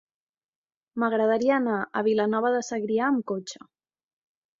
M'agradaria anar a Vilanova de Segrià amb cotxe.